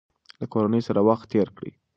له کورنۍ سره وخت تېر کړئ.